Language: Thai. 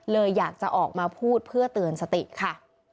อยากจะออกมาพูดเพื่อเตือนสติค่ะ